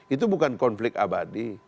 itu bukan konflik abadi